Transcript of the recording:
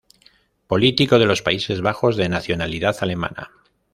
Político de los Países Bajos de nacionalidad alemana.